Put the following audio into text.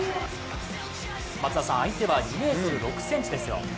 松田さん、相手は２ｍ６ｃｍですよ。